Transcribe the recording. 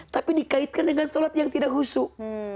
tapi dikaitkan dengan sholat yang tidak khusyuk